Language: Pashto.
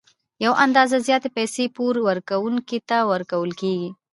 یوه اندازه زیاتې پیسې پور ورکوونکي ته ورکول کېږي